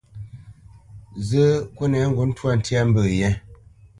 Zə́, kúnɛ ŋgǔt ntwâ ntya mbə̄ yɛ́.